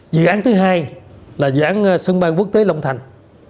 dự án thứ hai là dự án sân bay quốc tế long thành